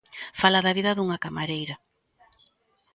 Fala da vida dunha camareira.